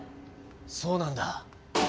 そうなんだ。